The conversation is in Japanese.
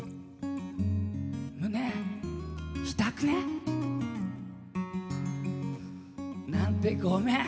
胸痛くね？なんてごめん。